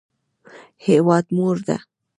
هیواد مور ده